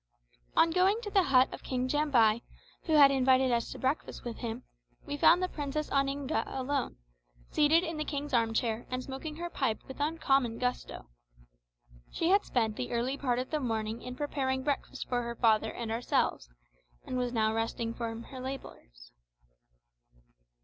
On going to the hut of King Jambai, who had invited us to breakfast with him, we found the Princess Oninga alone, seated in the king's armchair and smoking her pipe with uncommon gusto. She had spent the early part of the morning in preparing breakfast for her father and ourselves, and was now resting from her labours.